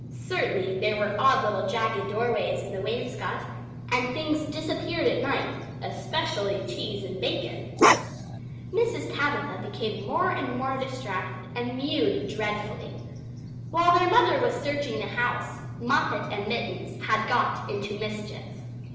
Certainly there were odd little jagged doorways in the wainscot, and things disappeared at night especially cheese and bacon. Mrs. Tabitha became more and more distracted and mewed dreadfully. While their mother was searching the house, Moppet and Mittens had got into mischief.